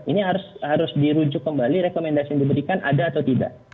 ini harus dirujuk kembali rekomendasi yang diberikan ada atau tidak